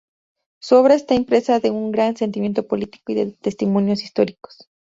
Su obra está impresa de un gran sentimiento político y de testimonios históricos.